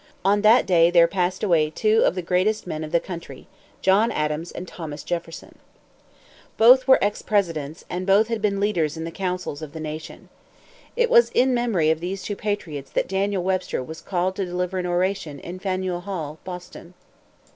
On that day there passed away two of the greatest men of the country John Adams and Thomas Jefferson. Both were ex presidents, and both had been leaders in the councils of the nation. It was in memory of these two patriots that Daniel Webster was called to deliver an oration in Faneuil Hall, Boston.